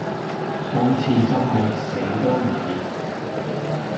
今次真係死都唔掂